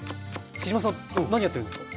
きじまさん何やってるんですか？